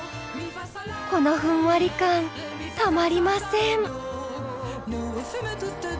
このふんわり感たまりません。